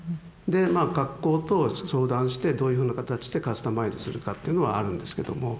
でまあ学校と相談してどういうふうな形でカスタマイズするかというのはあるんですけども。